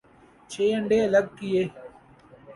چھ انڈے الگ کئے ۔